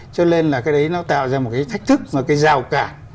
cho nên là cái đấy nó tạo ra một cái thách thức và cái rào cản